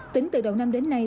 tính từ đầu năm đến nay